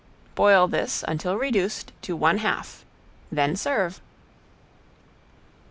Boil this until reduced to one half, then serve.